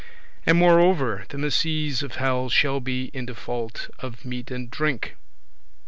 And moreover, the misease of hell shall be in default of meat and drink.